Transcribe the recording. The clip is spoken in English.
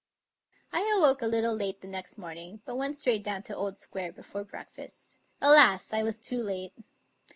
I awoke a little late the next morning, but went straight down to Old Square before breakfast. Alas! I was too late.